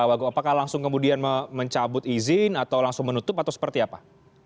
wagub apakah langsung kemudian mencabut izin atau langsung menutup atau seperti apa